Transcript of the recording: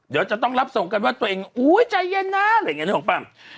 เดี๋ยวจะต้องรับส่งกันว่าตัวเองอุ้ยใจเย็นนะอะไรอย่างนี้นึกออกป่ะ